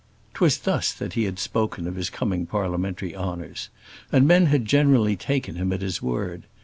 'Twas thus that he had spoken of his coming parliamentary honours; and men had generally taken him at his word.